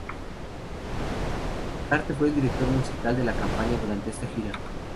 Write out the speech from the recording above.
Carte fue el director musical de la compañía durante esta gira.